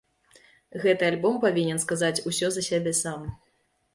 Гэты альбом павінен сказаць усё за сябе сам.